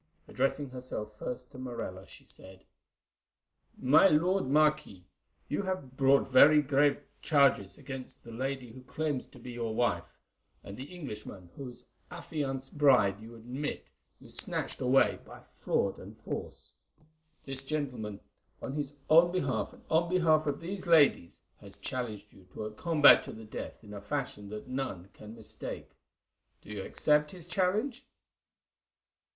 Addressing herself first to Morella, she said: "My lord Marquis, you have brought very grave charges against the lady who claims to be your wife, and the Englishman whose affianced bride you admit you snatched away by fraud and force. This gentleman, on his own behalf and on behalf of these ladies, has challenged you to a combat to the death in a fashion that none can mistake. Do you accept his challenge?"